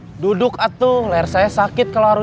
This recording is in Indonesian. ya udah kakak sama adik boleh main